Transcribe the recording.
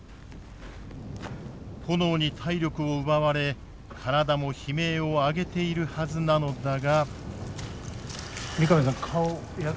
炎に体力を奪われ体も悲鳴を上げているはずなのだが。